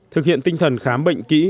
thực hiện tinh thần khám bệnh kỹ